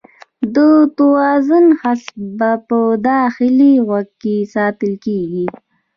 د توازن حس په داخلي غوږ کې ساتل کېږي.